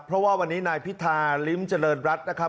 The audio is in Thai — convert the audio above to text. เพราะว่าวันนี้นายพิธาลิ้มเจริญรัฐนะครับ